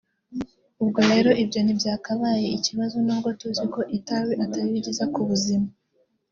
ubwo rero ibyo ntibyakabaye ikibazo nubwo tuzi ko itabi atari ryiza ku buzima